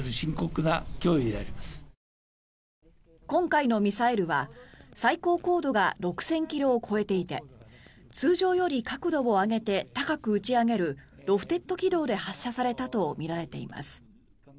今回のミサイルは最高高度が６０００ｋｍを超えていて通常より角度を上げて高く打ち上げるロフテッド軌道で発射されたとみられています。